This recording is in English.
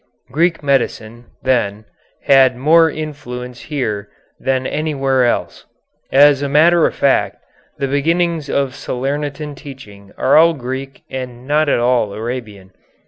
Greek medicine, then, had more influence here than anywhere else. As a matter of fact, the beginnings of Salernitan teaching are all Greek and not at all Arabian.